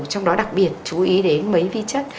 trong đó đặc biệt chú ý đến mấy vi chất